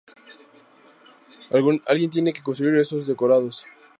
Alguien tiene que construir esos decorados.